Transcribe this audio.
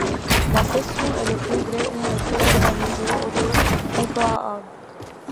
La session et le Congrès ont été organisés au de Copenhague.